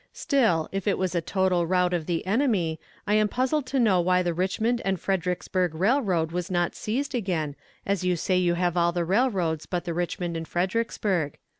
Still, if it was a total rout of the enemy, I am puzzled to know why the Richmond and Fredericksburg railroad was not seized again, as you say you have all the railroads but the Richmond and Fredericksburg.